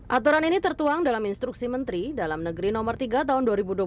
aturan ini tertuang dalam instruksi menteri dalam negeri no tiga tahun dua ribu dua puluh